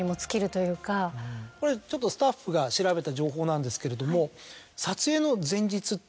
これちょっとスタッフが調べた情報なんですけれども。